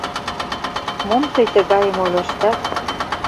— Мом тый тыгайым ойлыштат?